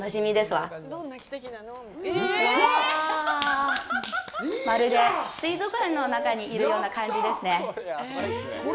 わあ、まるで水族館の中にいるような感じですね。